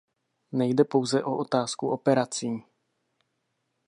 Nejde pouze o otázku operací.